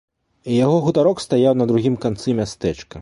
Яго хутарок стаяў на другім канцы мястэчка.